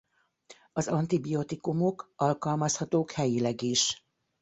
Az antibiotikumok alkalmazhatók helyileg is.